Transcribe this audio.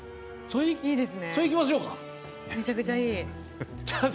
それ、いきましょうか。